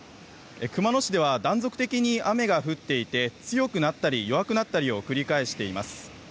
熊野市では断続的に雨が降っていて強くなったり弱くなったりを繰り返しています。